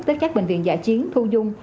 tới các bệnh viện dạ chiến thu dung